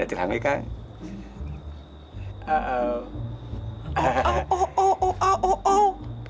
ah belom sama orang